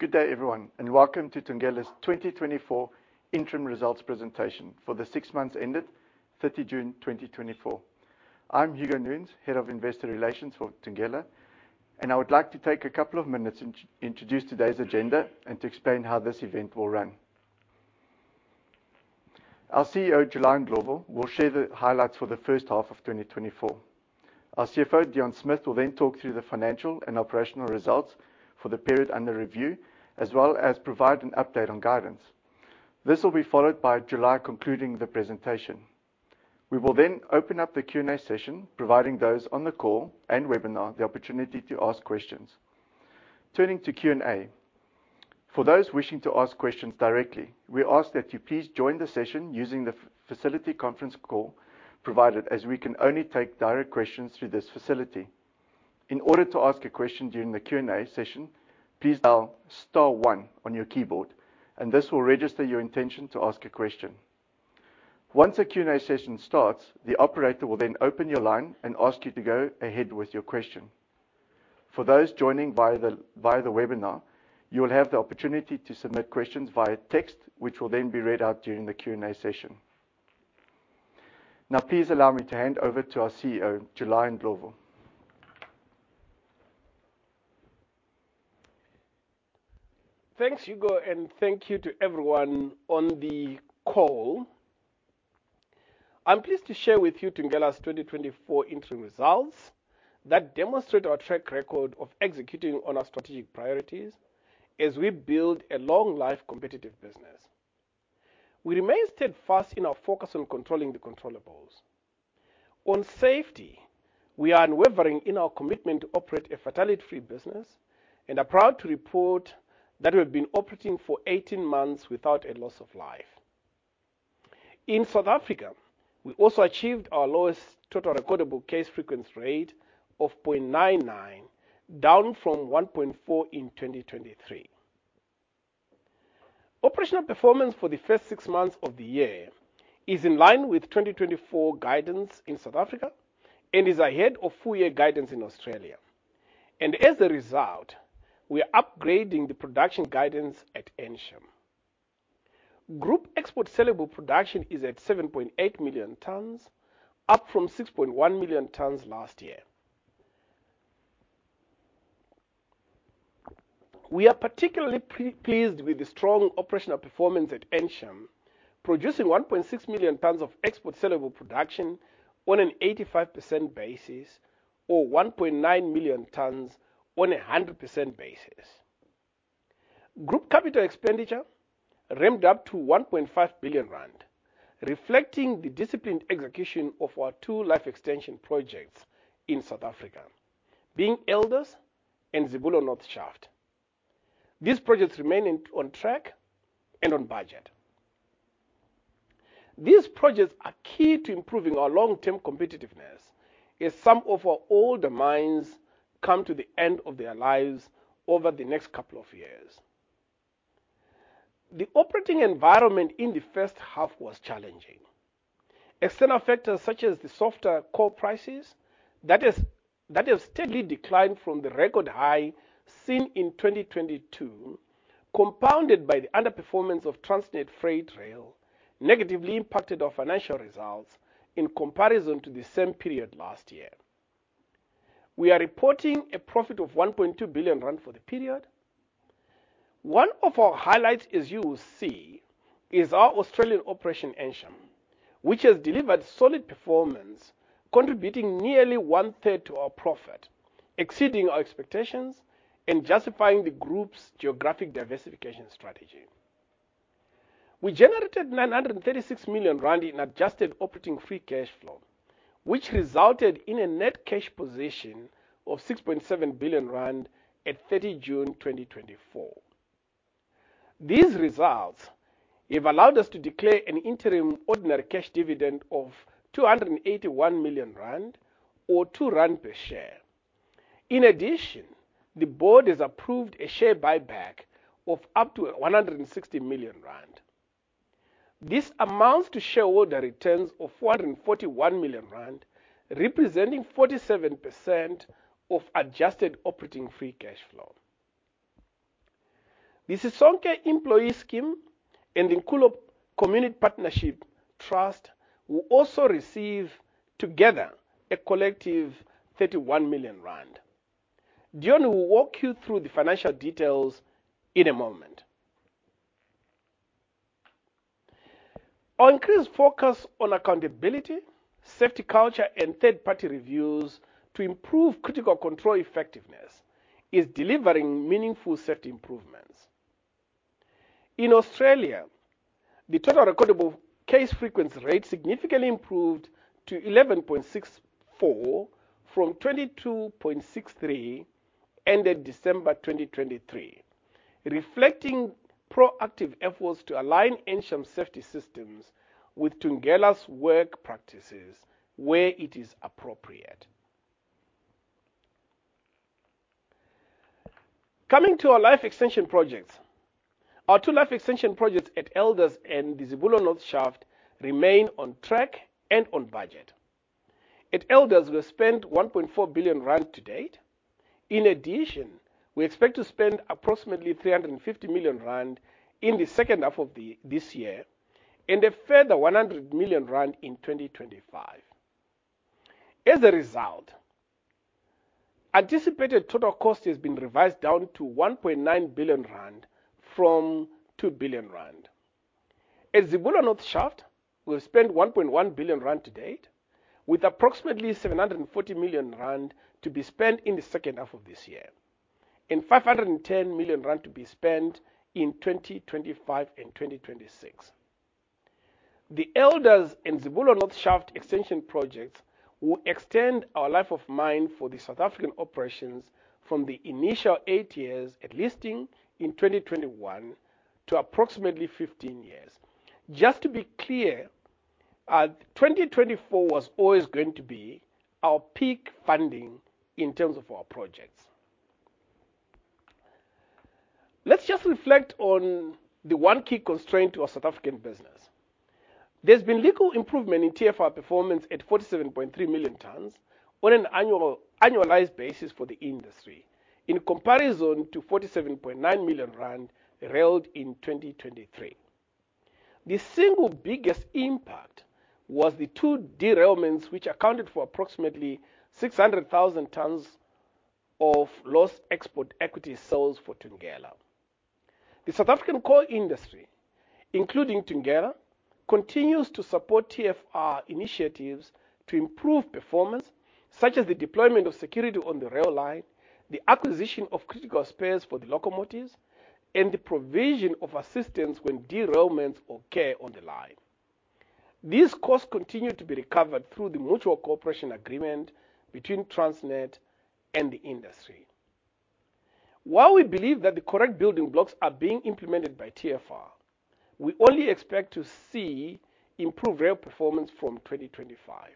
Good day, everyone, and welcome to Thungela's 2024 Interim Results Presentation for the Six Months Ended 30 June, 2024. I'm Hugo Nunes, Head of Investor Relations for Thungela, and I would like to take a couple of minutes to introduce today's agenda and to explain how this event will run. Our CEO, July Ndlovu, will share the highlights for the first half of 2024. Our CFO, Deon Smith, will then talk through the financial and operational results for the period under review, as well as provide an update on guidance. This will be followed by July concluding the presentation. We will then open up the Q&A session, providing those on the call and webinar the opportunity to ask questions. Turning to Q&A, for those wishing to ask questions directly, we ask that you please join the session using the facility conference call provided, as we can only take direct questions through this facility. In order to ask a question during the Q&A session, please dial star one on your keyboard, and this will register your intention to ask a question. Once the Q&A session starts, the operator will then open your line and ask you to go ahead with your question. For those joining via the webinar, you will have the opportunity to submit questions via text, which will then be read out during the Q&A session. Now, please allow me to hand over to our CEO, July Ndlovu. Thanks, Hugo, and thank you to everyone on the call. I'm pleased to share with you Thungela's 2024 Interim Results that demonstrate our track record of executing on our strategic priorities as we build a long-life competitive business. We remain steadfast in our focus on controlling the controllables. On safety, we are unwavering in our commitment to operate a fatality-free business and are proud to report that we've been operating for eighteen months without a loss of life. In South Africa, we also achieved our lowest total recordable case frequency rate of point nine nine, down from one point four in 2023. Operational performance for the first six months of the year is in line with 2024 guidance in South Africa and is ahead of full year guidance in Australia, and as a result, we are upgrading the production guidance at Ensham. Group export saleable production is at 7.8 million tons, up from 6.1 million tons last year. We are particularly pleased with the strong operational performance at Ensham, producing 1.6 million tons of exportable production on an 85% basis, or 1.9 million tons on a 100% basis. Group capital expenditure ramped up to 1.5 billion rand, reflecting the disciplined execution of our two life extension projects in South Africa, being Elders and Zibulo North Shaft. These projects remain on track and on budget. These projects are key to improving our long-term competitiveness as some of our older mines come to the end of their lives over the next couple of years. The operating environment in the first half was challenging. External factors, such as the softer coal prices, that is, that has steadily declined from the record high seen in 2022, compounded by the underperformance of Transnet Freight Rail, negatively impacted our financial results in comparison to the same period last year. We are reporting a profit of 1.2 billion rand for the period. One of our highlights, as you will see, is our Australian operation, Ensham, which has delivered solid performance, contributing nearly one-third to our profit, exceeding our expectations and justifying the group's geographic diversification strategy. We generated 936 million rand in adjusted operating free cash flow, which resulted in a net cash position of 6.7 billion rand at 30 June 2024. These results have allowed us to declare an interim ordinary cash dividend of 281 million rand, or 2 rand per share. In addition, the board has approved a share buyback of up to 160 million rand. This amounts to shareholder returns of 441 million rand, representing 47% of adjusted operating free cash flow. The Sisonke Employee Scheme and the Nkulo Community Partnership Trust will also receive together a collective 31 million rand. Deon will walk you through the financial details in a moment. Our increased focus on accountability, safety culture, and third-party reviews to improve critical control effectiveness is delivering meaningful safety improvements. In Australia, the total recordable case frequency rate significantly improved to 11.64 from 22.63, ended December 2023, reflecting proactive efforts to align Ensham's safety systems with Thungela's work practices where it is appropriate. Coming to our life extension projects. Our two life extension projects at Elders and the Zibulo North Shaft remain on track and on budget. At Elders, we've spent 1.4 billion rand to date. In addition, we expect to spend approximately 350 million rand in the second half of this year, and a further 100 million rand in 2025. As a result, anticipated total cost has been revised down to 1.9 billion rand from 2 billion rand. At Zibulo North Shaft, we've spent 1.1 billion rand to date, with approximately 740 million rand to be spent in the second half of this year, and 510 million rand to be spent in 2025 and 2026. The Elders and Zibulo North Shaft extension projects will extend our life of mine for the South African operations from the initial eight years at listing in 2021 to approximately 15 years. Just to be clear, 2024 was always going to be our peak funding in terms of our projects. Let's just reflect on the one key constraint to our South African business. There's been little improvement in TFR performance at 47.3 million tons on an annualized basis for the industry, in comparison to 47.9 million tons railed in 2023. The single biggest impact was the two derailments, which accounted for approximately 600,000 tons of lost export equity sales for Thungela. The South African coal industry, including Thungela, continues to support TFR initiatives to improve performance, such as the deployment of security on the rail line, the acquisition of critical spares for the locomotives, and the provision of assistance when derailments occur on the line. These costs continue to be recovered through the mutual cooperation agreement between Transnet and the industry. While we believe that the current building blocks are being implemented by TFR, we only expect to see improved rail performance from 2025.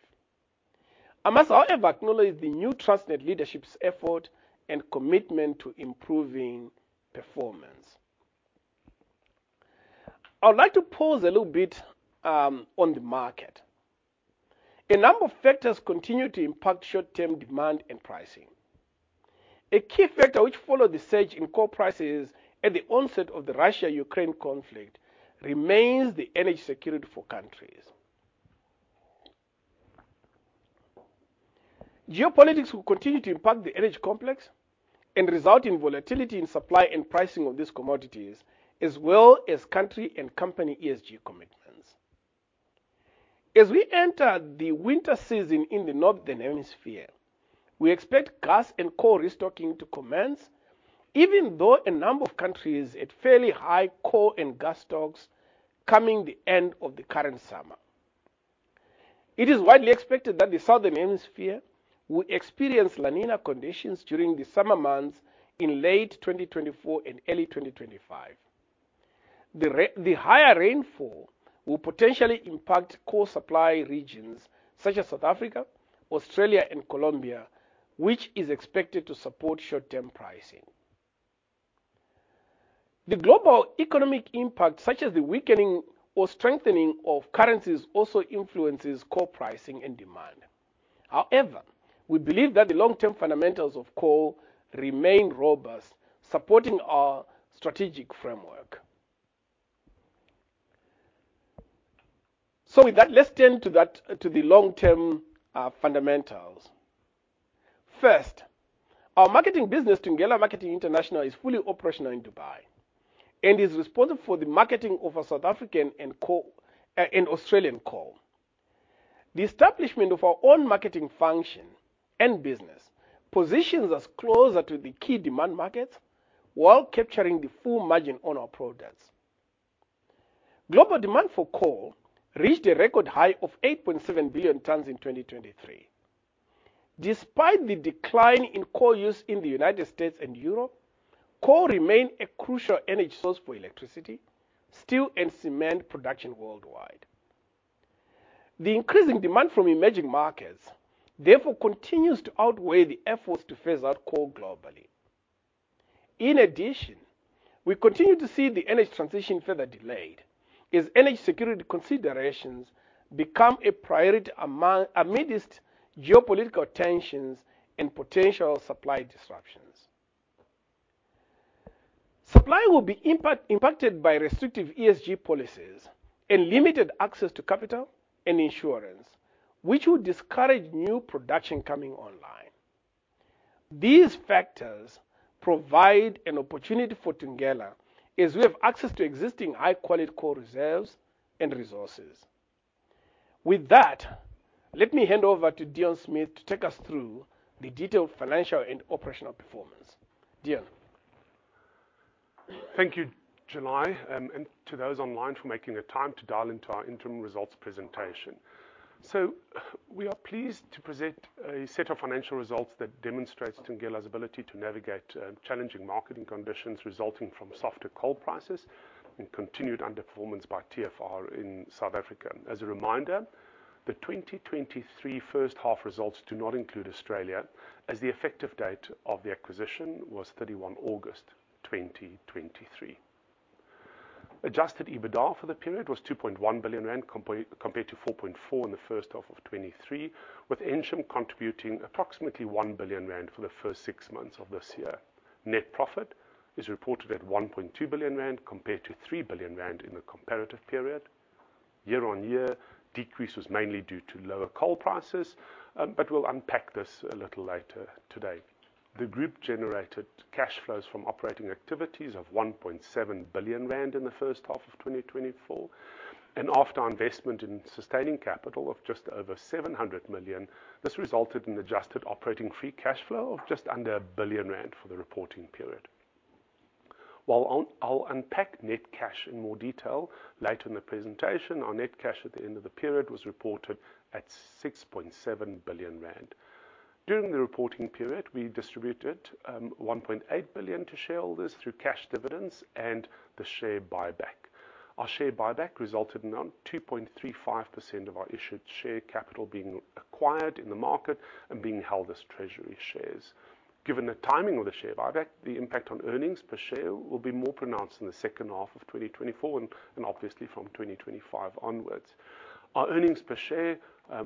I must, however, acknowledge the new Transnet leadership's effort and commitment to improving performance. I would like to pause a little bit on the market. A number of factors continue to impact short-term demand and pricing. A key factor which followed the surge in coal prices at the onset of the Russia-Ukraine conflict remains the energy security for countries. Geopolitics will continue to impact the energy complex and result in volatility in supply and pricing of these commodities, as well as country and company ESG commitments. As we enter the winter season in the Northern Hemisphere, we expect gas and coal restocking to commence, even though a number of countries at fairly high coal and gas stocks coming the end of the current summer. It is widely expected that the Southern Hemisphere will experience La Niña conditions during the summer months in late 2024 and early 2025. The higher rainfall will potentially impact coal supply regions such as South Africa, Australia, and Colombia, which is expected to support short-term pricing. The global economic impact, such as the weakening or strengthening of currencies, also influences coal pricing and demand. However, we believe that the long-term fundamentals of coal remain robust, supporting our strategic framework. So with that, let's turn to that, to the long-term fundamentals. First, our marketing business, Thungela Marketing International, is fully operational in Dubai and is responsible for the marketing of our South African and Australian coal. The establishment of our own marketing function and business positions us closer to the key demand markets while capturing the full margin on our products. Global demand for coal reached a record high of 8.7 billion tons in 2023. Despite the decline in coal use in the United States and Europe, coal remained a crucial energy source for electricity, steel, and cement production worldwide. The increasing demand from emerging markets, therefore, continues to outweigh the efforts to phase out coal globally. In addition, we continue to see the energy transition further delayed as energy security considerations become a priority amidst geopolitical tensions and potential supply disruptions. Supply will be impacted by restrictive ESG policies and limited access to capital and insurance, which will discourage new production coming online. These factors provide an opportunity for Thungela as we have access to existing high-quality coal reserves and resources. With that, let me hand over to Deon Smith to take us through the detailed financial and operational performance. Deon? Thank you, July, and to those online for making the time to dial into our interim results presentation. So we are pleased to present a set of financial results that demonstrates Thungela's ability to navigate, challenging marketing conditions resulting from softer coal prices and continued underperformance by TFR in South Africa. As a reminder, the 2023 first half results do not include Australia, as the effective date of the acquisition was 31 August 2023. Adjusted EBITDA for the period was 2.1 billion rand, compared to 4.4 billion in the first half of 2023, with Ensham contributing approximately 1 billion rand for the first six months of this year. Net profit is reported at 1.2 billion rand, compared to 3 billion rand in the comparative period. Year-on-year decrease was mainly due to lower coal prices, but we'll unpack this a little later today. The group generated cash flows from operating activities of 1.7 billion rand in the first half of 2024, and after investment in sustaining capital of just over 700 million, this resulted in adjusted operating free cash flow of just under 1 billion rand for the reporting period. While I'll unpack net cash in more detail later in the presentation, our net cash at the end of the period was reported at 6.7 billion rand. During the reporting period, we distributed 1.8 billion to shareholders through cash dividends and the share buyback. Our share buyback resulted in around 2.35% of our issued share capital being acquired in the market and being held as treasury shares. Given the timing of the share buyback, the impact on earnings per share will be more pronounced in the second half of 2024 and obviously from 2025 onwards. Our earnings per share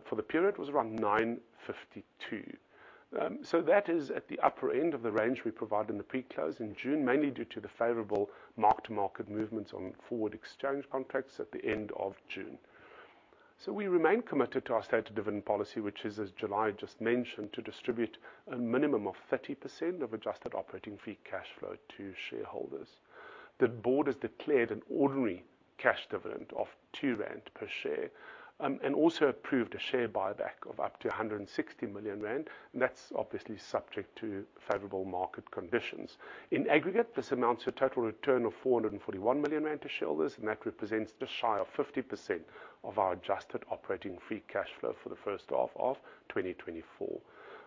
for the period was around 9.52. So that is at the upper end of the range we provided in the pre-close in June, mainly due to the favorable mark-to-market movements on forward exchange contracts at the end of June. So we remain committed to our stated dividend policy, which is, as July just mentioned, to distribute a minimum of 30% of adjusted operating free cash flow to shareholders. The board has declared an ordinary cash dividend of 2 rand per share and also approved a share buyback of up to 160 million rand, and that's obviously subject to favorable market conditions. In aggregate, this amounts a total return of 441 million rand to shareholders, and that represents just shy of 50% of our adjusted operating free cash flow for the first half of 2024.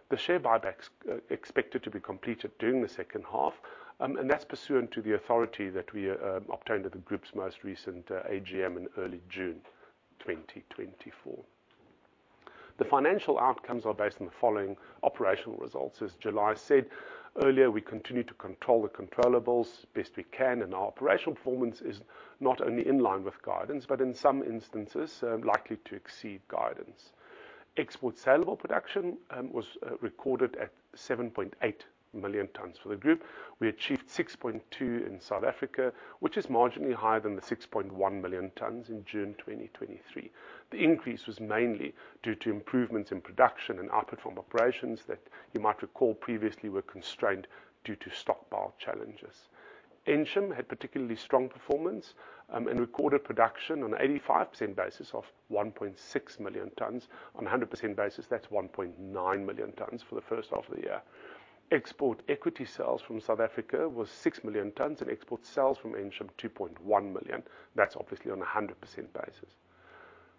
The share buyback's expected to be completed during the second half, and that's pursuant to the authority that we obtained at the group's most recent AGM in early June 2024. The financial outcomes are based on the following operational results. As July said earlier, we continue to control the controllables best we can, and our operational performance is not only in line with guidance, but in some instances, likely to exceed guidance. Export saleable production was recorded at 7.8 million tons for the group. We achieved 6.2 in South Africa, which is marginally higher than the 6.1 million tons in June 2023. The increase was mainly due to improvements in production and output from operations that you might recall previously were constrained due to stockpile challenges. Ensham had particularly strong performance, and recorded production on an 85% basis of 1.6 million tons. On a 100% basis, that's 1.9 million tons for the first half of the year. Export equity sales from South Africa was 6 million tons, and export sales from Ensham, 2.1 million. That's obviously on a 100% basis.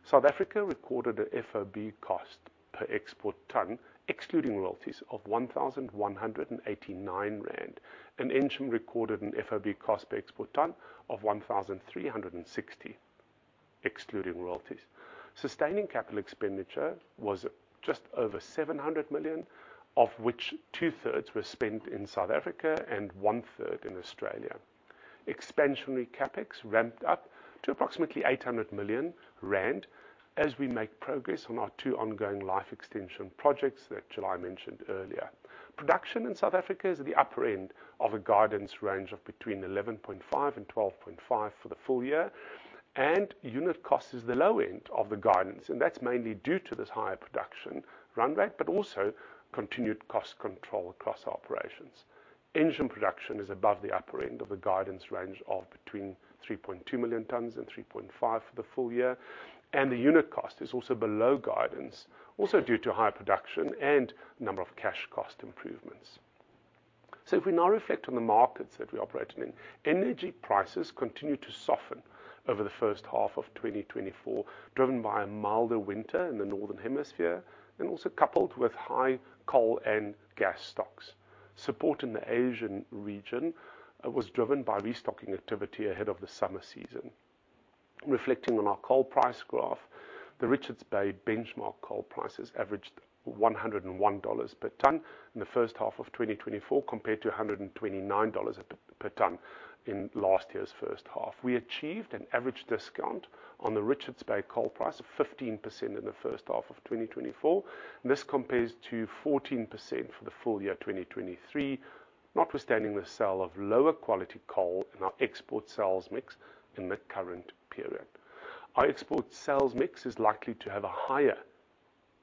South Africa recorded a FOB cost per export ton, excluding royalties, of 1,189 rand and Ensham recorded an FOB cost per export ton of 1,360 excluding royalties. Sustaining capital expenditure was just over 700 million, of which two-thirds were spent in South Africa and one-third in Australia. Expansionary CapEx ramped up to approximately 800 million rand as we make progress on our two ongoing life extension projects that July mentioned earlier. Production in South Africa is at the upper end of a guidance range of between 11.5 and 12.5 for the full year, and unit cost is the low end of the guidance, and that's mainly due to this higher production run rate, but also continued cost control across operations. Ensham production is above the upper end of the guidance range of between 3.2 million tons and 3.5 for the full year, and the unit cost is also below guidance, also due to higher production and number of cash cost improvements. So if we now reflect on the markets that we're operating in, energy prices continued to soften over the first half of 2024, driven by a milder winter in the Northern Hemisphere and also coupled with high coal and gas stocks. Support in the Asian region was driven by restocking activity ahead of the summer season. Reflecting on our coal price graph, the Richards Bay benchmark coal prices averaged $101 per ton in the first half of 2024, compared to $129 per ton in last year's first half. We achieved an average discount on the Richards Bay coal price of 15% in the first half of 2024. This compares to 14% for the full year 2023, notwithstanding the sale of lower quality coal in our export sales mix in the current period. Our export sales mix is likely to have a higher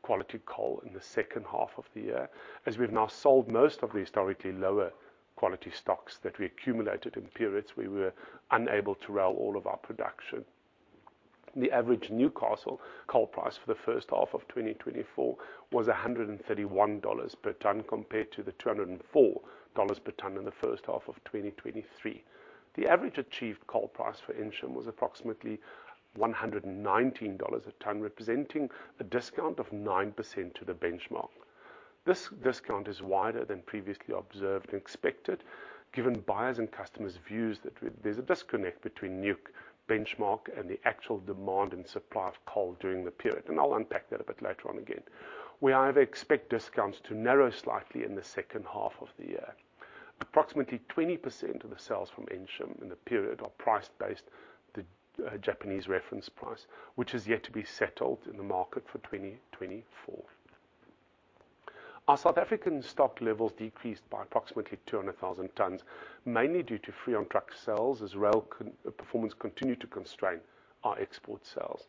quality coal in the second half of the year, as we've now sold most of the historically lower quality stocks that we accumulated in periods we were unable to rail all of our production. The average Newcastle coal price for the first half of 2024 was $131 per ton, compared to the $204 per ton in the first half of 2023. The average achieved coal price for Ensham was approximately $119 a ton, representing a discount of 9% to the benchmark. This discount is wider than previously observed and expected, given buyers' and customers' views that there's a disconnect between Newcastle benchmark and the actual demand and supply of coal during the period, and I'll unpack that a bit later on again. We expect discounts to narrow slightly in the second half of the year. Approximately 20% of the sales from Ensham in the period are priced based on the Japanese Reference Price, which is yet to be settled in the market for 2024. Our South African stock levels decreased by approximately 200,000 tons, mainly due to free on truck sales, as rail performance continued to constrain our export sales.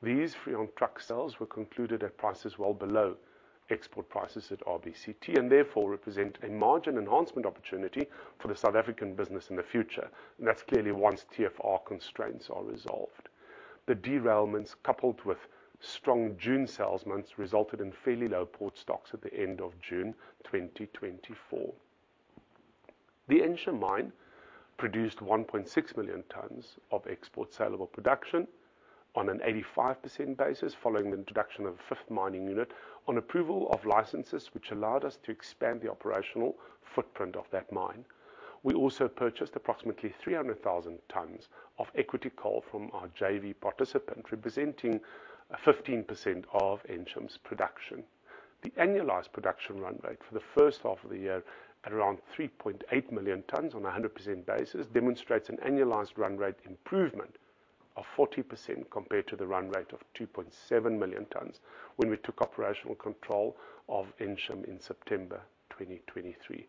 These free on truck sales were concluded at prices well below export prices at RBCT, and therefore represent a margin enhancement opportunity for the South African business in the future, and that's clearly once TFR constraints are resolved. The derailments, coupled with strong June sales months, resulted in fairly low port stocks at the end of June 2024. The Ensham mine produced 1.6 million tons of export saleable production on an 85% basis, following the introduction of a fifth mining unit on approval of licenses, which allowed us to expand the operational footprint of that mine. We also purchased approximately 300,000 tons of equity coal from our JV participant, representing 15% of Ensham's production. The annualized production run rate for the first half of the year, at around 3.8 million tons on a 100% basis, demonstrates an annualized run rate improvement of 40% compared to the run rate of 2.7 million tons when we took operational control of Ensham in September 2023.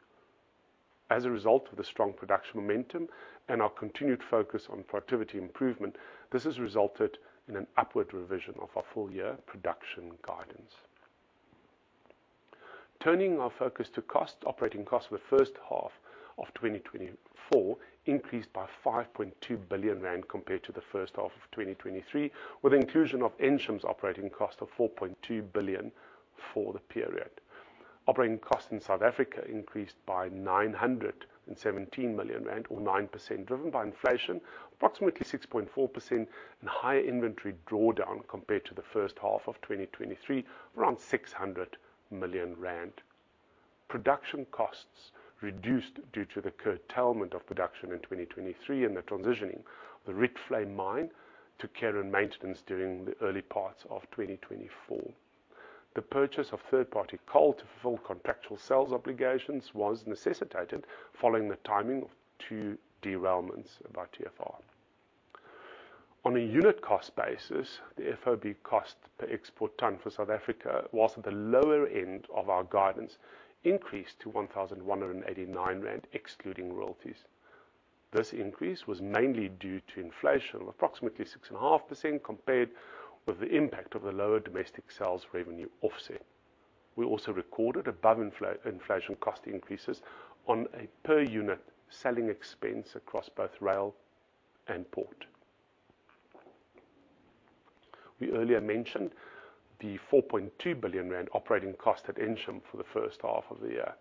As a result of the strong production momentum and our continued focus on productivity improvement, this has resulted in an upward revision of our full year production guidance. Turning our focus to cost, operating costs for the first half of 2024 increased by 5.2 billion rand compared to the first half of 2023, with the inclusion of Ensham's operating cost of 4.2 billion for the period. Operating costs in South Africa increased by 917 million rand, or 9%, driven by inflation, approximately 6.4%, and higher inventory drawdown compared to the first half of 2023, around 600 million rand. Production costs reduced due to the curtailment of production in 2023 and the transitioning of the Rietvlei Mine to care and maintenance during the early parts of 2024. The purchase of third-party coal to fulfill contractual sales obligations was necessitated following the timing of two derailments by TFR. On a unit cost basis, the FOB cost per export tonne for South Africa was at the lower end of our guidance, increased to R1,189, excluding royalties. This increase was mainly due to inflation of approximately 6.5%, compared with the impact of the lower domestic sales revenue offset. We also recorded above inflation cost increases on a per unit selling expense across both rail and port. We earlier mentioned the R4.2 billion operating cost at Ensham for the first half of the year.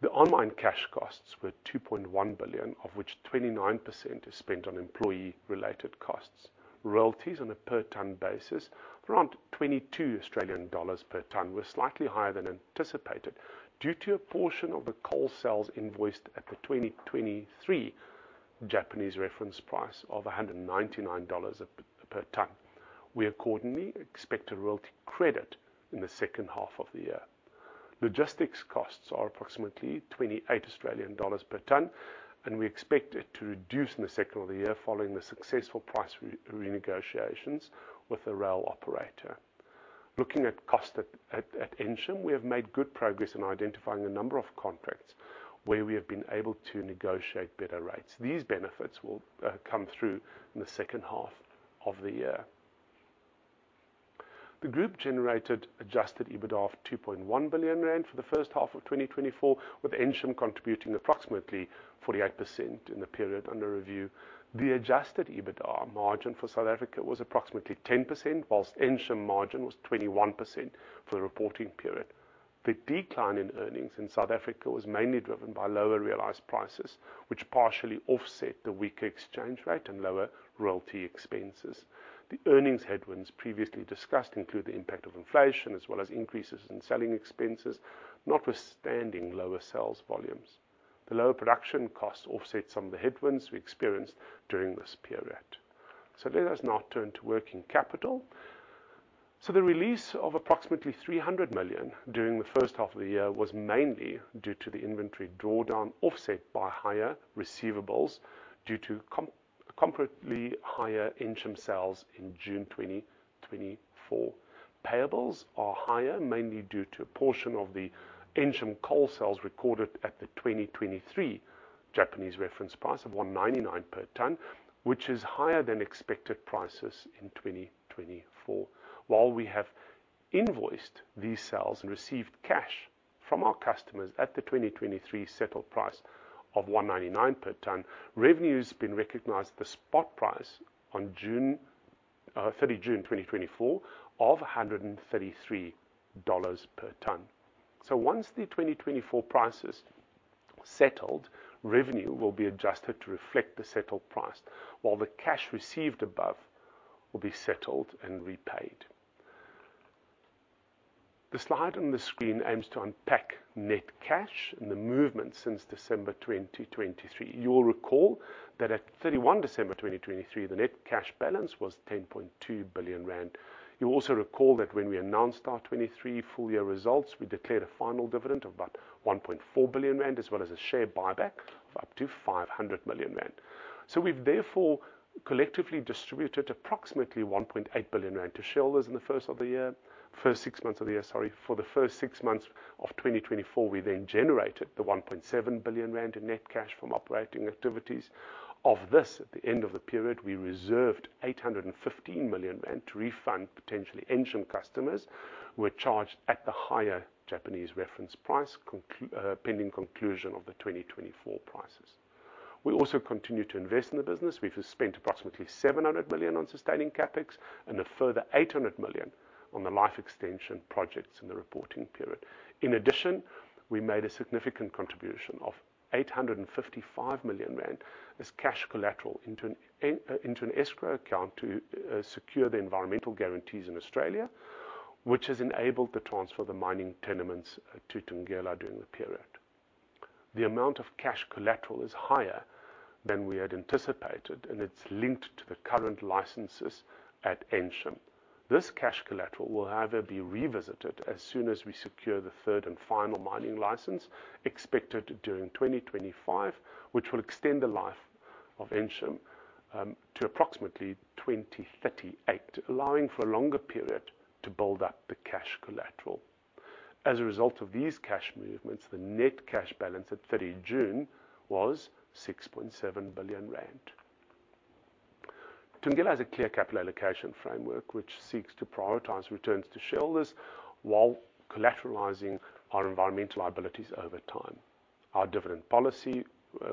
The on-mine cash costs were R2.1 billion, of which 29% is spent on employee-related costs. Royalties on a per ton basis, around 22 Australian dollars per ton, were slightly higher than anticipated, due to a portion of the coal sales invoiced at the 2023 Japanese reference price of $199 per ton. We accordingly expect a royalty credit in the second half of the year. Logistics costs are approximately 28 Australian dollars per ton, and we expect it to reduce in the second half of the year following the successful price re-negotiations with the rail operator. Looking at cost at Ensham, we have made good progress in identifying a number of contracts where we have been able to negotiate better rates. These benefits will come through in the second half of the year. The group generated adjusted EBITDA of 2.1 billion rand for the first half of 2024, with Ensham contributing approximately 48% in the period under review. The adjusted EBITDA margin for South Africa was approximately 10%, while Ensham margin was 21% for the reporting period. The decline in earnings in South Africa was mainly driven by lower realized prices, which partially offset the weaker exchange rate and lower royalty expenses. The earnings headwinds previously discussed include the impact of inflation as well as increases in selling expenses, notwithstanding lower sales volumes. The lower production costs offset some of the headwinds we experienced during this period. So let us now turn to working capital. So the release of approximately 300 million during the first half of the year was mainly due to the inventory drawdown, offset by higher receivables, due to comparatively higher Ensham sales in June 2024. Payables are higher, mainly due to a portion of the Ensham coal sales recorded at the 2023 Japanese Reference Price of $199 per ton, which is higher than expected prices in 2024. While we have invoiced these sales and received cash from our customers at the 2023 settled price of $199 per ton, revenue's been recognized at the spot price on 30 June 2024, of $133 per ton. So once the 2024 price is settled, revenue will be adjusted to reflect the settled price, while the cash received above will be settled and repaid. The slide on the screen aims to unpack net cash and the movement since December 2023. You will recall that at 31 December 2023, the net cash balance was 10.2 billion rand. You will also recall that when we announced our 2023 full year results, we declared a final dividend of about 1.4 billion rand, as well as a share buyback of up to 500 million rand. So we've collectively distributed approximately 1.8 billion rand to shareholders in the first of the year, first six months of the year, sorry. For the first six months of 2024, we then generated 1.7 billion rand in net cash from operating activities. Of this, at the end of the period, we reserved 815 million rand to refund potentially Ensham customers, who were charged at the higher Japanese Reference Price, pending conclusion of the 2024 prices. We also continue to invest in the business. We've spent approximately 700 million on sustaining CapEx and a further 800 million on the life extension projects in the reporting period. In addition, we made a significant contribution of 855 million rand as cash collateral into an escrow account to secure the environmental guarantees in Australia, which has enabled the transfer of the mining tenements to Thungela during the period. The amount of cash collateral is higher than we had anticipated, and it's linked to the current licenses at Ensham. This cash collateral will, however, be revisited as soon as we secure the third and final mining license, expected during 2025, which will extend the life of Ensham to approximately 2038, allowing for a longer period to build up the cash collateral. As a result of these cash movements, the net cash balance at 30 June was 6.7 billion rand. Thungela has a clear capital allocation framework, which seeks to prioritize returns to shareholders, while collateralizing our environmental liabilities over time. Our dividend policy,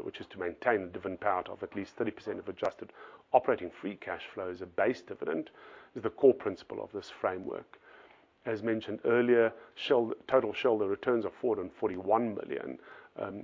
which is to maintain a dividend payout of at least 30% of adjusted operating free cash flow, as a base dividend, is the core principle of this framework. As mentioned earlier, total shareholder returns are 441 million.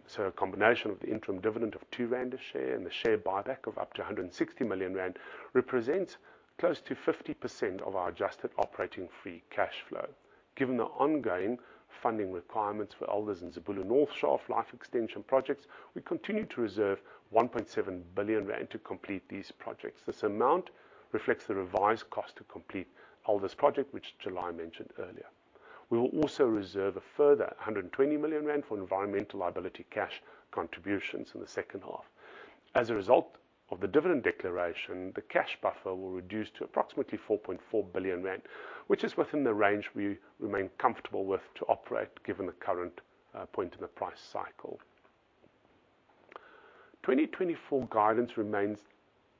So a combination of the interim dividend of 2 rand a share and the share buyback of up to 160 million rand represents close to 50% of our adjusted operating free cash flow. Given the ongoing funding requirements for Elders and Zibulo North Shaft life extension projects, we continue to reserve 1.7 billion rand to complete these projects. This amount reflects the revised cost to complete Elders project, which July mentioned earlier. We will also reserve a further 120 million rand for environmental liability cash contributions in the second half. As a result of the dividend declaration, the cash buffer will reduce to approximately 4.4 billion rand, which is within the range we remain comfortable with to operate, given the current point in the price cycle. 2024 guidance remains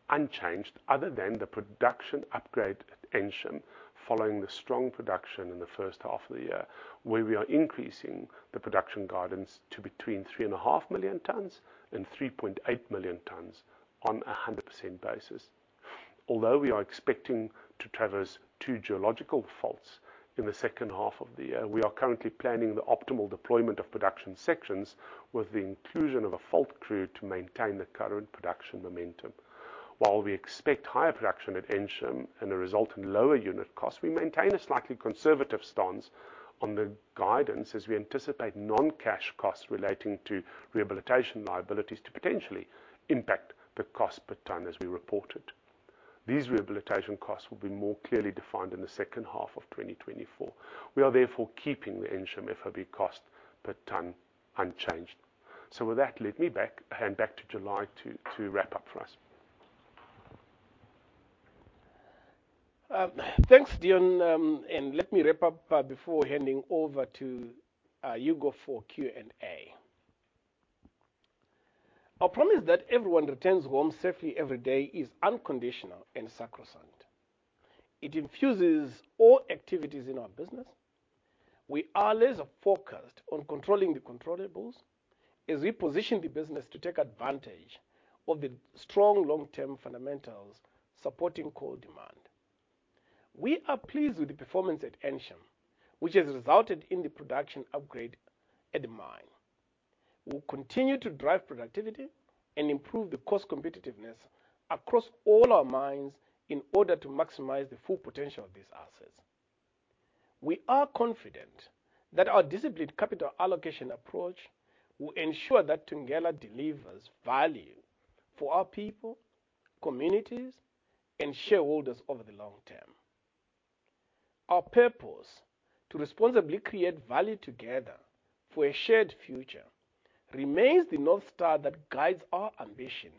unchanged, other than the production upgrade at Ensham, following the strong production in the first half of the year, where we are increasing the production guidance to between 3.5 million tons and 3.8 million tons on a 100% basis. Although we are expecting to traverse two geological faults in the second half of the year, we are currently planning the optimal deployment of production sections with the inclusion of a fault crew to maintain the current production momentum. While we expect higher production at Ensham and a result in lower unit costs, we maintain a slightly conservative stance on the guidance, as we anticipate non-cash costs relating to rehabilitation liabilities to potentially impact the cost per tonne as we reported. These rehabilitation costs will be more clearly defined in the second half of 2024. We are therefore keeping the Ensham FOB cost per tonne unchanged. So with that, let me hand back to July to wrap up for us. Thanks, Deon, and let me wrap up before handing over to Hugo for Q&A. Our promise that everyone returns home safely every day is unconditional and sacrosanct. It infuses all activities in our business. We are laser-focused on controlling the controllables as we position the business to take advantage of the strong long-term fundamentals supporting coal demand. We are pleased with the performance at Ensham, which has resulted in the production upgrade at the mine. We'll continue to drive productivity and improve the cost competitiveness across all our mines in order to maximize the full potential of these assets. We are confident that our disciplined capital allocation approach will ensure that Thungela delivers value for our people, communities, and shareholders over the long term. Our purpose: to responsibly create value together for a shared future, remains the North Star that guides our ambition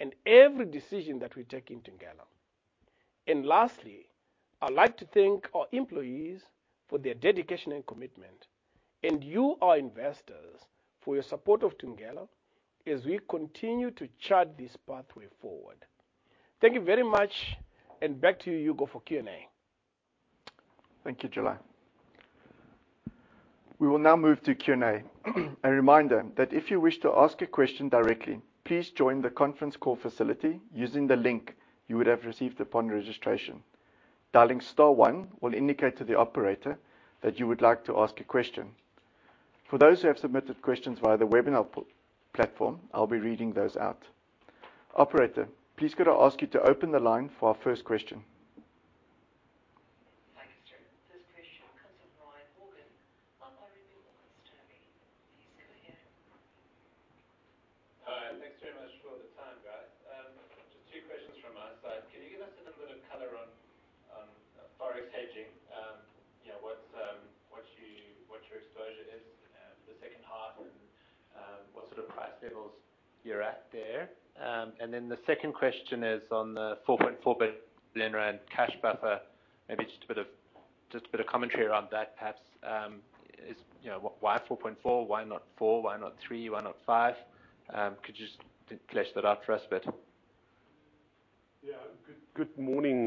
and every decision that we take in Thungela. And lastly, I'd like to thank our employees for their dedication and commitment, and you, our investors, for your support of Thungela as we continue to chart this pathway forward. Thank you very much, and back to you, Hugo, for Q&A. Thank you, July. We will now move to Q&A. A reminder that if you wish to ask a question directly, please join the conference call facility using the link you would have received upon registration. Dialing star one will indicate to the operator that you would like to ask a question. For those who have submitted questions via the webinar platform, I'll be reading those out. Operator, please could I ask you to open the line for our first question? Thank you, sir. First question comes from Brian Morgan of RMB Morgan Stanley. Please go ahead. Hi, thanks very much for the time, guys. Just two questions from my side. Can you give us a little bit of color on Forex hedging? [Whats your] exposure is the second half, and what sort of price levels you're at there? And then the second question is on the ZAR 4.4 billion cash buffer. Maybe just a bit of commentary around that, perhaps. Is, you know, why four point four? Why not four? Why not three? Why not five? Could you just flesh that out for us a bit? Yeah. Good morning,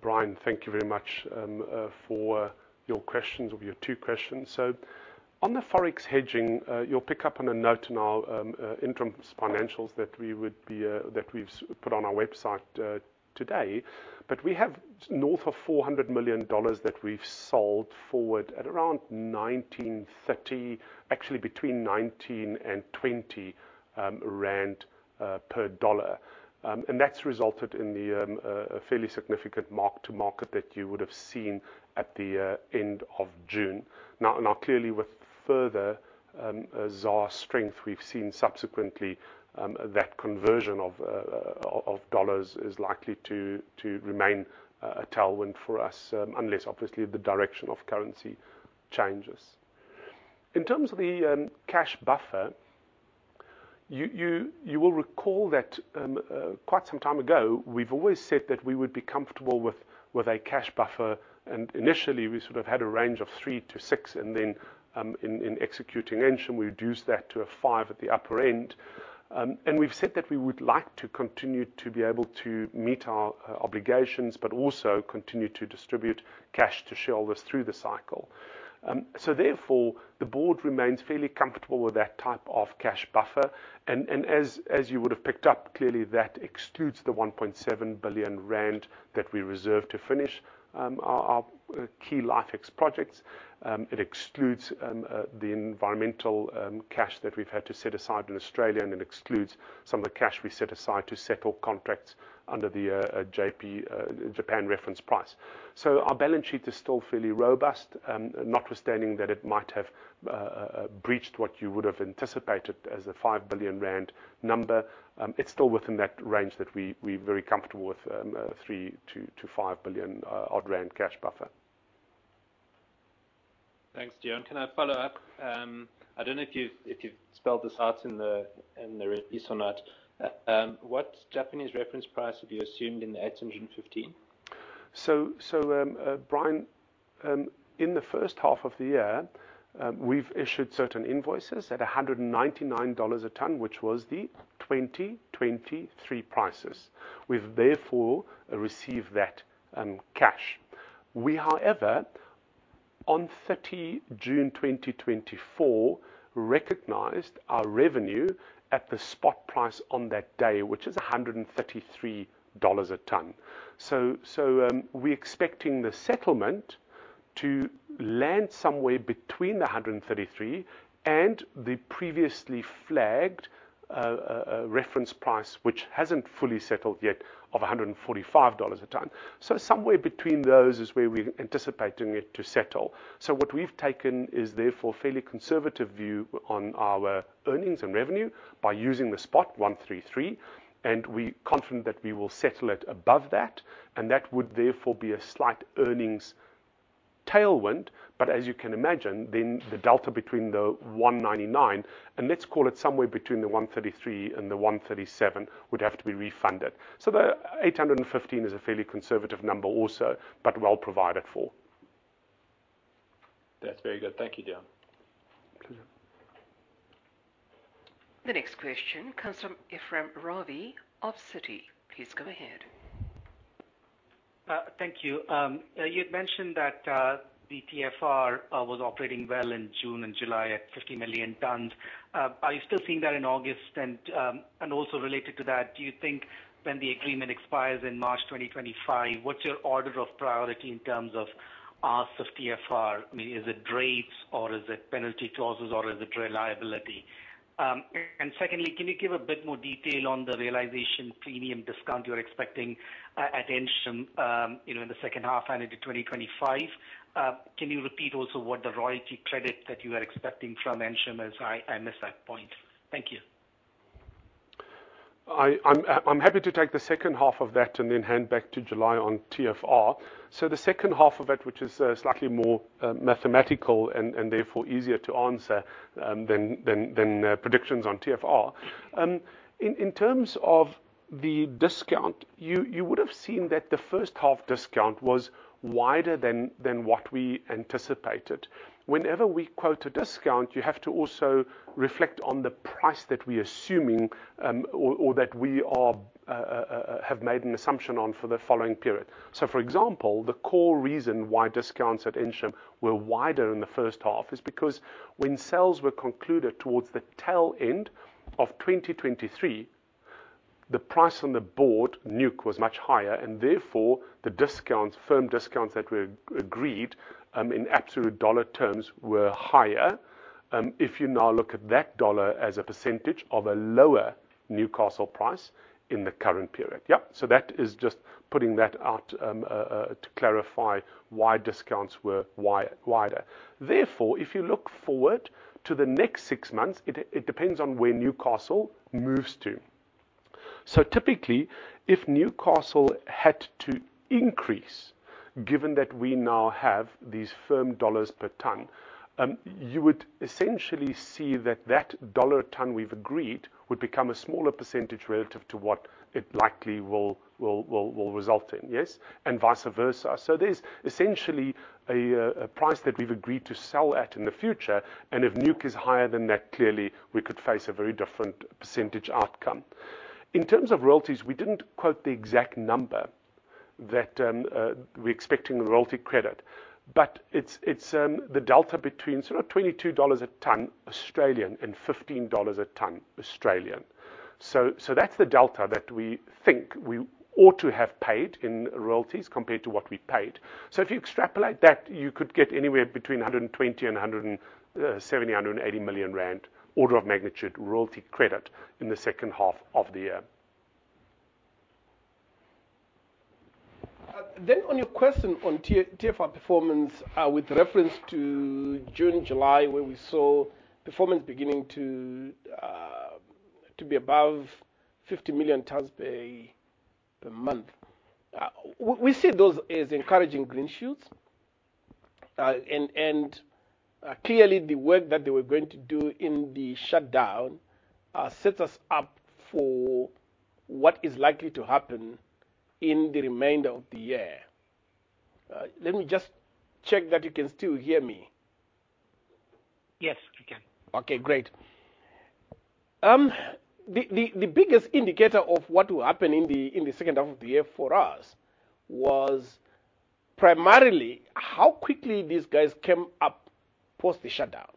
Brian. Thank you very much for your questions or your two questions. So on the Forex hedging, you'll pick up on a note in our interim financials that we've put on our website today. But we have north of $400 million that we've sold forward at around 19.30, actually between 19 and 20 rand per dollar. And that's resulted in a fairly significant mark-to-market that you would have seen at the end of June. Now clearly, with further ZAR strength we've seen subsequently, that conversion of dollars is likely to remain a tailwind for us, unless obviously the direction of currency changes. In terms of the cash buffer, you will recall that quite some time ago, we've always said that we would be comfortable with a cash buffer, and initially we sort of had a range of three to six, and then in executing Ensham, we reduced that to a five at the upper end, and we've said that we would like to continue to be able to meet our obligations, but also continue to distribute cash to shareholders through the cycle, so therefore, the board remains fairly comfortable with that type of cash buffer, and as you would have picked up, clearly, that excludes the 1.7 billion rand that we reserved to finish our key LifeEx projects. It excludes the environmental cash that we've had to set aside in Australia, and it excludes some of the cash we set aside to settle contracts under the JRP, Japan reference price. So our balance sheet is still fairly robust, notwithstanding that it might have breached what you would have anticipated as a 5 billion rand number. It's still within that range that we're very comfortable with, 3 billion to 5 billion odd rand cash buffer. Thanks, Deon. Can I follow up? I don't know if you've spelled this out in the release or not. What Japanese Reference Price have you assumed in the 815? Brian, in the first half of the year, we've issued certain invoices at $199 a tonne, which was the 2023 prices. We've therefore received that cash. We, however, on 30 June 2024, recognized our revenue at the spot price on that day, which is $133 a tonne. We're expecting the settlement to land somewhere between the $133 and the previously flagged a reference price, which hasn't fully settled yet, of $145 a tonne. Somewhere between those is where we're anticipating it to settle. What we've taken is therefore a fairly conservative view on our earnings and revenue by using the spot $133, and we're confident that we will settle it above that, and that would therefore be a slight earnings tailwind. But as you can imagine, then the delta between the $199 and let's call it somewhere between the $133 and the $137 would have to be refunded. The $815 is a fairly conservative number also, but well provided for. That's very good. Thank you, Deon. Thank you. The next question comes from Ephrem Ravi of Citi. Please go ahead. Thank you. You had mentioned that the TFR was operating well in June and July at 50 million tons. Are you still seeing that in August? And also related to that, do you think when the agreement expires in March 2025, what's your order of priority in terms of ask of TFR? I mean, is it rates or is it penalty clauses or is it reliability? And secondly, can you give a bit more detail on the realization premium discount you're expecting at Ensham, you know, in the second half and into 2025? Can you repeat also what the royalty credit that you are expecting from Ensham, as I, I missed that point. Thank you. I'm happy to take the second half of that and then hand back to July on TFR. So the second half of it, which is slightly more mathematical and therefore easier to answer than predictions on TFR. In terms of the discount, you would have seen that the first half discount was wider than what we anticipated. Whenever we quote a discount, you have to also reflect on the price that we're assuming or that we have made an assumption on for the following period. So, for example, the core reason why discounts at Ensham were wider in the first half is because when sales were concluded towards the tail end of 2023, the price on the board, Newc, was much higher, and therefore, the discounts, firm discounts that were agreed, in absolute dollar terms, were higher. If you now look at that dollar as a percentage of a lower Newcastle price in the current period. Yeah, so that is just putting that out to clarify why discounts were wider. Therefore, if you look forward to the next six months, it depends on where Newcastle moves to. So typically, if Newcastle had to increase, given that we now have these firm $ per ton, you would essentially see that that $ ton we've agreed would become a smaller percentage relative to what it likely will result in, yes, and vice versa. So there's essentially a price that we've agreed to sell at in the future, and if Newc is higher than that, clearly we could face a very different percentage outcome. In terms of royalties, we didn't quote the exact number that we're expecting in the royalty credit, but it's the delta between sort of 22 dollars a ton, Australian, and 15 dollars a ton, Australian. So that's the delta that we think we ought to have paid in royalties compared to what we paid. So if you extrapolate that, you could get anywhere between 120 million rand and 170 million-180 million rand, order of magnitude, royalty credit in the second half of the year. Then on your question on TFR performance, with reference to June, July, where we saw performance beginning to be above 50 million tons per month. We see those as encouraging green shoots and clearly, the work that they were going to do in the shutdown sets us up for what is likely to happen in the remainder of the year. Let me just check that you can still hear me. Yes, we can. Okay, great. The biggest indicator of what will happen in the second half of the year for us was primarily how quickly these guys came up post the shutdown.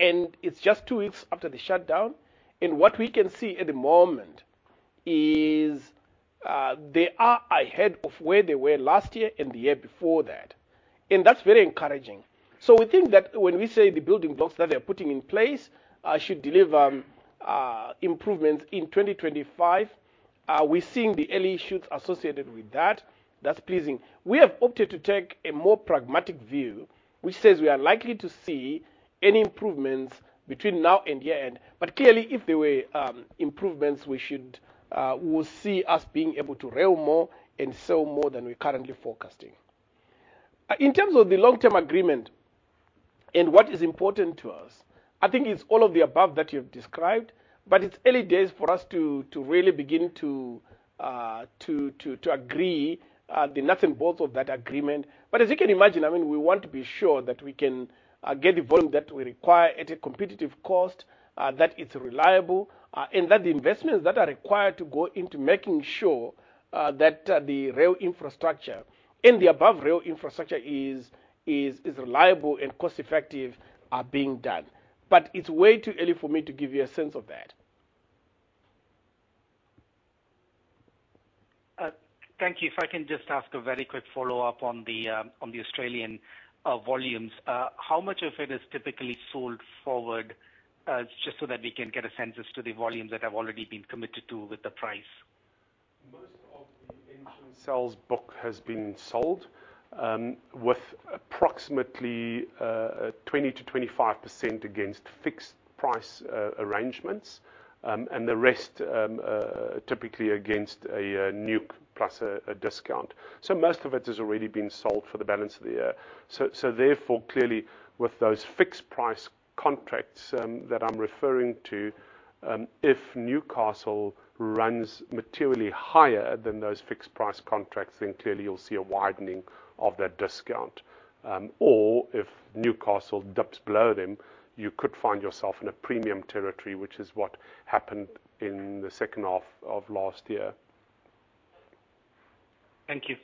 And it's just two weeks after the shutdown, and what we can see at the moment is, they are ahead of where they were last year and the year before that, and that's very encouraging. So we think that when we say the building blocks that they are putting in place should deliver improvements in 2025. We're seeing the early shoots associated with that. That's pleasing. We have opted to take a more pragmatic view, which says we are likely to see any improvements between now and year-end. But clearly, if there were improvements, we should, we'll see us being able to rail more and sell more than we're currently forecasting. In terms of the long-term agreement and what is important to us, I think it's all of the above that you've described, but it's early days for us to really begin to agree the nuts and bolts of that agreement. But as you can imagine, I mean, we want to be sure that we can get the volume that we require at a competitive cost, that it's reliable, and that the investments that are required to go into making sure that the rail infrastructure and the above rail infrastructure is reliable and cost-effective are being done. But it's way too early for me to give you a sense of that. Thank you. If I can just ask a very quick follow-up on the Australian volumes. How much of it is typically sold forward, just so that we can get a sense as to the volumes that have already been committed to with the price? Most of the export sales book has been sold, with approximately 20% to 25% against fixed price arrangements, and the rest typically against a Newc plus a discount. So most of it has already been sold for the balance of the year. So therefore, clearly, with those fixed price contracts that I'm referring to, if Newcastle runs materially higher than those fixed price contracts, then clearly you'll see a widening of that discount. Or if Newcastle dips below them, you could find yourself in a premium territory, which is what happened in the second half of last year. Thank you.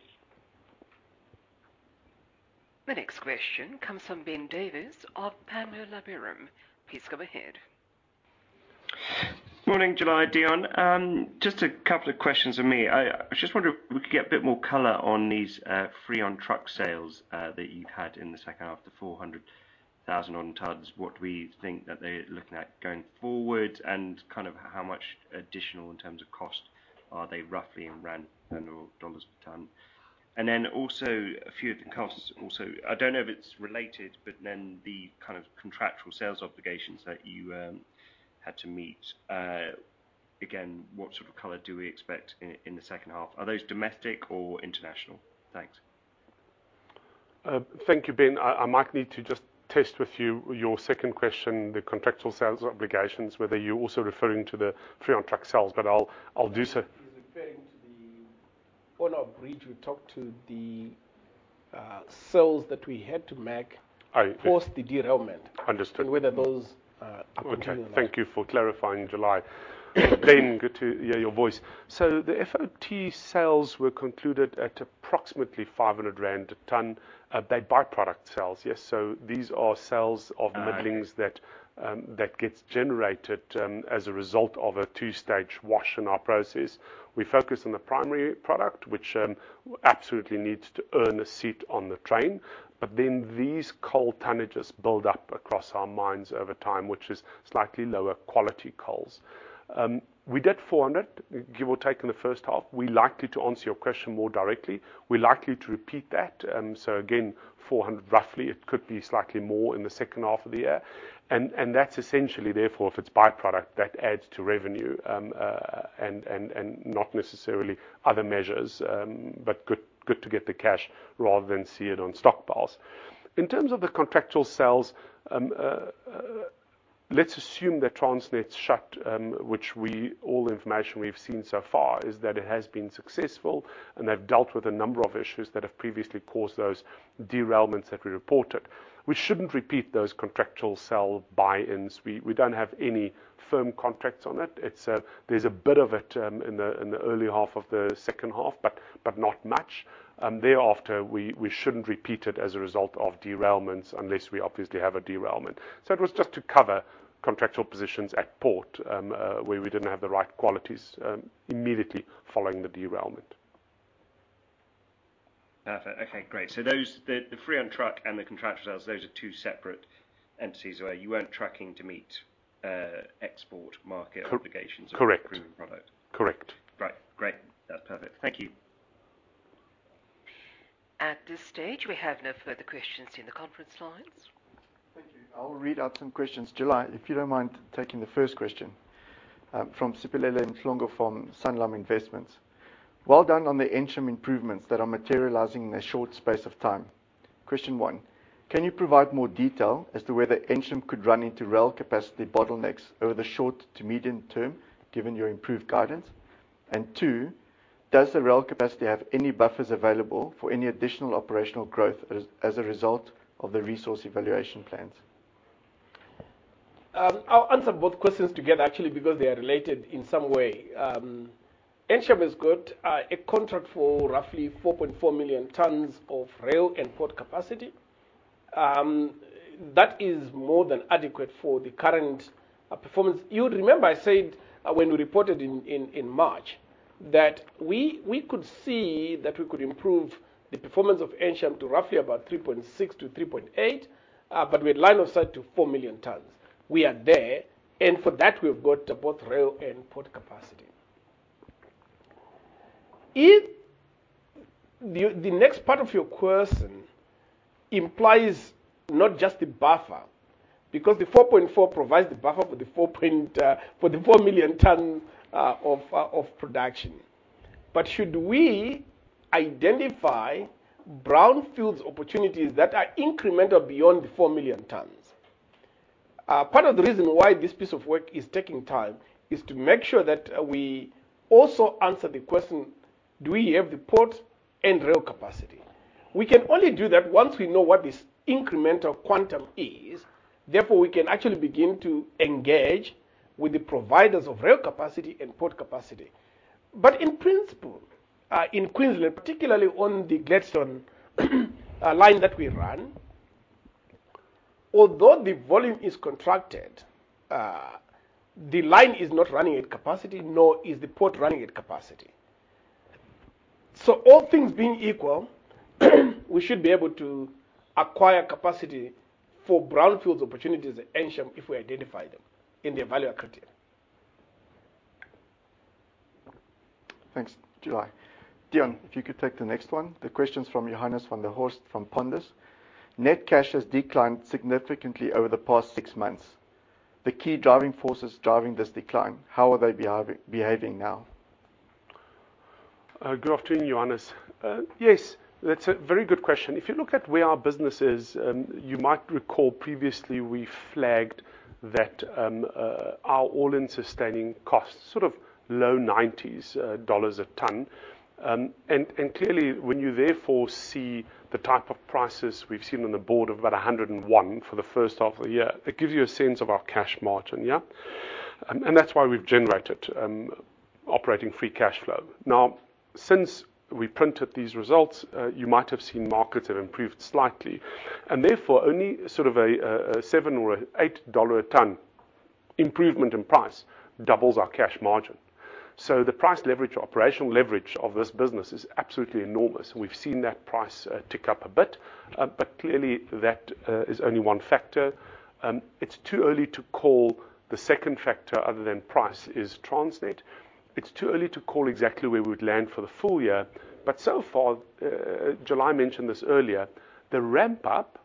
The next question comes from Ben Davis of Panmure Liberum. Please go ahead. Morning, July, Deon. Just a couple of questions from me. I was just wondering if we could get a bit more color on these free on truck sales that you've had in the second half, the 400,000 on tons. What we think that they're looking at going forward, and kind of how much additional in terms of cost are they roughly in rand and/or dollars per ton? And then also a few of the costs also. I don't know if it's related, but then the kind of contractual sales obligations that you had to meet. Again, what sort of color do we expect in the second half? Are those domestic or international? Thanks. Thank you, Ben. I might need to just test with you your second question, the contractual sales obligations, whether you're also referring to the free on truck sales, but I'll do so. He's referring to the... On our bridge, we talked to the sales that we had to make- All right. -post the derailment. Understood. Whether those continue or not. Okay, thank you for clarifying, July. Ben, good to hear your voice. So the FOT sales were concluded at approximately 500 rand a ton. They're by-product sales. Yes, so these are sales of middlings that gets generated as a result of a two-stage wash in our process. We focus on the primary product, which absolutely needs to earn a seat on the train. But then these coal tonnages build up across our mines over time, which is slightly lower quality coals. We did 400, give or take, in the first half. To answer your question more directly, we're likely to repeat that. So again, 400, roughly, it could be slightly more in the second half of the year. And that's essentially therefore, if it's by-product, that adds to revenue and not necessarily other measures, but good, good to get the cash rather than see it on stockpiles. In terms of the contractual sales. Let's assume that Transnet's shut, which, all the information we've seen so far, is that it has been successful, and they've dealt with a number of issues that have previously caused those derailments that we reported. We shouldn't repeat those contractual sell buy-ins. We don't have any firm contracts on it. It's, there's a bit of it in the early half of the second half, but not much. Thereafter, we shouldn't repeat it as a result of derailments, unless we obviously have a derailment. So it was just to cover contractual positions at port, where we didn't have the right qualities immediately following the derailment. Perfect. Okay, great. So those, the free-on-truck and the contractual sales, those are two separate entities where you weren't tracking to meet export market- Cor- -obligations- Correct. premium product. Correct. Right. Great. That's perfect. Thank you. At this stage, we have no further questions in the conference lines. Thank you. I will read out some questions. July, if you don't mind taking the first question from Siphelele Mhlongo, from Sanlam Investments. Well done on the Ensham improvements that are materializing in a short space of time. Question one: Can you provide more detail as to whether Ensham could run into rail capacity bottlenecks over the short to medium term, given your improved guidance? And two, does the rail capacity have any buffers available for any additional operational growth as a result of the resource evaluation plans? I'll answer both questions together, actually, because they are related in some way. Ensham has got a contract for roughly 4.4 million tons of rail and port capacity. That is more than adequate for the current performance. You would remember I said when we reported in March that we could see that we could improve the performance of Ensham to roughly about 3.6-3.8, but with line of sight to 4 million tons. We are there, and for that, we've got both rail and port capacity. The next part of your question implies not just the buffer, because the 4.4 provides the buffer for the 4 million ton of production. But should we identify brownfields opportunities that are incremental beyond the four million tons? Part of the reason why this piece of work is taking time is to make sure that we also answer the question: Do we have the port and rail capacity? We can only do that once we know what this incremental quantum is. Therefore, we can actually begin to engage with the providers of rail capacity and port capacity. But in principle, in Queensland, particularly on the Gladstone line that we run, although the volume is contracted, the line is not running at capacity, nor is the port running at capacity. So all things being equal, we should be able to acquire capacity for brownfields opportunities at Ensham, if we identify them in their value criteria. Thanks, July. Deon, if you could take the next one. The question's from Johannes van der Horst from Truffle Asset Management: Net cash has declined significantly over the past six months. The key driving forces driving this decline, how are they behaving now? Good afternoon, Johannes. Yes, that's a very good question. If you look at where our business is, you might recall previously we flagged that, our all-in sustaining costs, sort of low 90s dollars a ton. And clearly, when you therefore see the type of prices we've seen on the board of about $101 for the first half of the year, it gives you a sense of our cash margin, yeah? And that's why we've generated, operating free cash flow. Now, since we printed these results, you might have seen markets have improved slightly, and therefore, only sort of a seven- or eight-dollar-a-ton improvement in price doubles our cash margin. So the price leverage, operational leverage of this business is absolutely enormous. We've seen that price tick up a bit, but clearly, that is only one factor. It's too early to call the second factor other than price, is Transnet. It's too early to call exactly where we'd land for the full year, but so far, July mentioned this earlier, the ramp up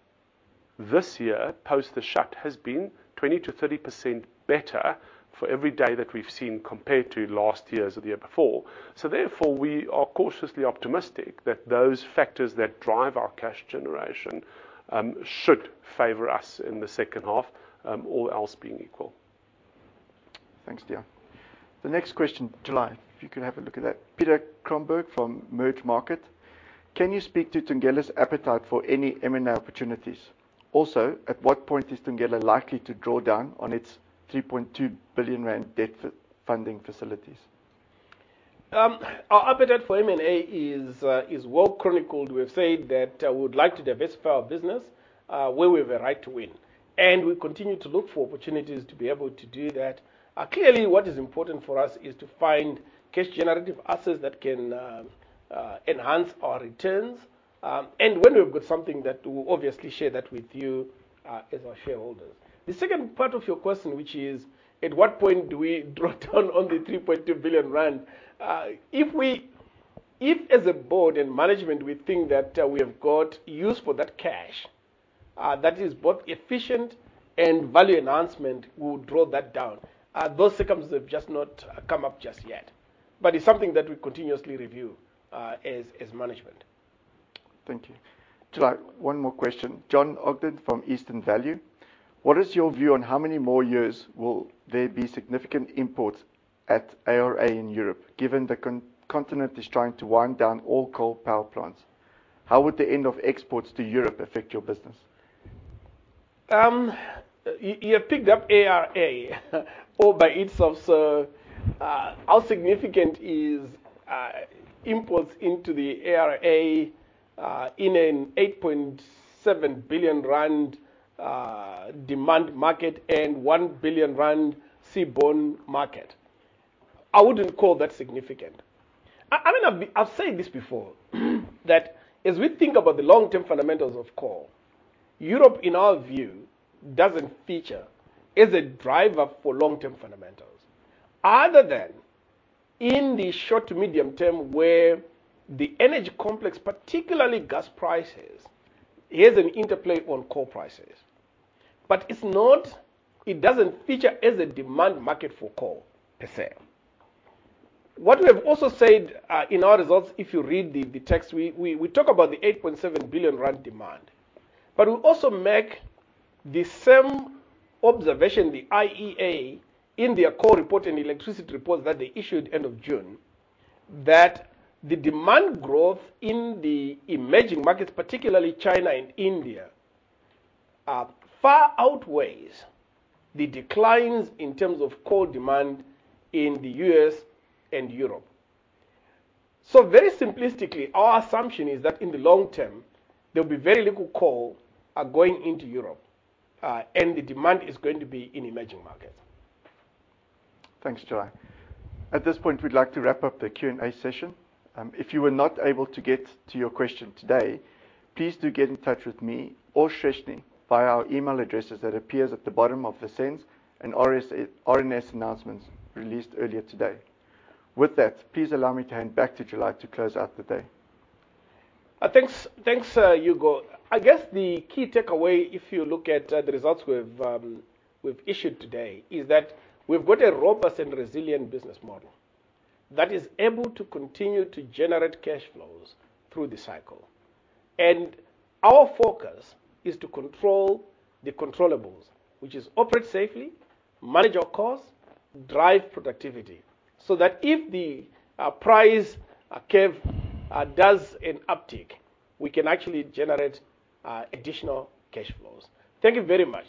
this year, post the shut, has been 20% to 30% better for every day that we've seen, compared to last year's or the year before. So therefore, we are cautiously optimistic that those factors that drive our cash generation should favor us in the second half, all else being equal. Thanks, Deon. The next question, July, if you could have a look at that. Peter Cromberge from Mergermarket: Can you speak to Thungela's appetite for any M&A opportunities? Also, at what point is Thungela likely to draw down on its 3.2 billion rand debt funding facilities? Our appetite for M&A is well chronicled. We've said that we would like to diversify our business where we have a right to win. We continue to look for opportunities to be able to do that. Clearly, what is important for us is to find cash generative assets that can enhance our returns. When we've got something, that we'll obviously share that with you as our shareholders. The second part of your question, which is, at what point do we draw down on the 3.2 billion rand? If as a board and management, we think that we have got use for that cash that is both efficient and value enhancement, we'll draw that down. Those circumstances have just not come up just yet, but it's something that we continuously review as management. Thank you. July, one more question. John Ogden from Eastern Value: What is your view on how many more years will there be significant imports at ARA in Europe, given the continent is trying to wind down all coal power plants? How would the end of exports to Europe affect your business? You have picked up ARA all by itself, so how significant is imports into the ARA in a 8.7 billion rand demand market and 1 billion rand seaborne market? I wouldn't call that significant. I mean, I've said this before, that as we think about the long-term fundamentals of coal, Europe, in our view, doesn't feature as a driver for long-term fundamentals, other than in the short to medium term, where the energy complex, particularly gas prices, has an interplay on coal prices. But it's not. It doesn't feature as a demand market for coal per se. What we have also said in our results, if you read the text, we talk about the 8.7 billion rand demand, but we also make the same observation, the IEA, in their coal report and electricity report that they issued end of June, that the demand growth in the emerging markets, particularly China and India, far outweighs the declines in terms of coal demand in the U.S. and Europe. So very simplistically, our assumption is that in the long term, there will be very little coal going into Europe, and the demand is going to be in emerging markets. Thanks, July. At this point, we'd like to wrap up the Q&A session. If you were not able to get to your question today, please do get in touch with me or Shreshini via our email addresses that appears at the bottom of the SENS and RNS announcements released earlier today. With that, please allow me to hand back to July to close out the day. Thanks, thanks, Hugo. I guess the key takeaway, if you look at the results we've issued today, is that we've got a robust and resilient business model that is able to continue to generate cash flows through the cycle. And our focus is to control the controllables, which is operate safely, manage our costs, drive productivity, so that if the price curve does an uptick, we can actually generate additional cash flows. Thank you very much.